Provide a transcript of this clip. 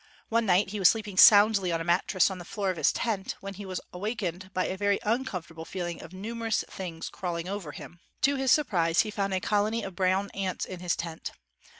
One night he was sleeping soundly on a mattress on the floor of his tent, when he was awak ened by a very uncomfortable feeling of numerous things crawling over him. To his surprise he found a colony of brown ants in his tent.